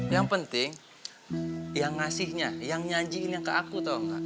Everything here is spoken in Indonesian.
yang penting yang ngasihnya yang nyanjiinnya ke aku tau gak